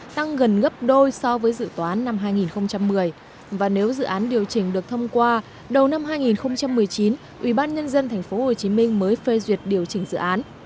tăng gần gấp đôi so với dự toán năm hai nghìn một mươi và nếu dự án điều chỉnh được thông qua đầu năm hai nghìn một mươi chín ubnd tp hcm mới phê duyệt điều chỉnh dự án